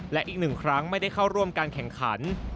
และอีกหนึ่งครั้งไม่ได้เข้าร่วมการแข่งขัน